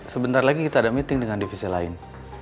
sebentar lagi kita ada meeting dengan divisi lain